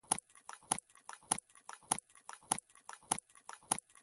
جرګې او مرکې د پښتني ټولنې دود دی